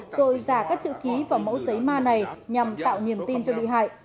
rồi giả các chữ ký và mẫu giấy ma này nhằm tạo niềm tin cho bị hại